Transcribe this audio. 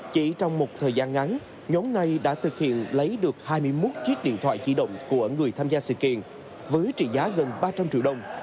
chỉ trong một thời gian ngắn nhóm này đã thực hiện lấy được hai mươi một chiếc điện thoại di động của người tham gia sự kiện với trị giá gần ba trăm linh triệu đồng